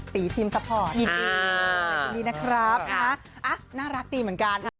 ตีทีมซอปพอร์ตยินดีนะครับน่ารักตีเหมือนกัน